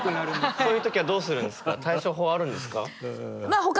そういう時はどうするんですか？